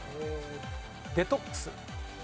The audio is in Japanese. デトックス。